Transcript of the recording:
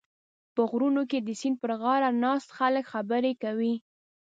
په غرونو کې د سیند پرغاړه ناست خلک خبرې کوي.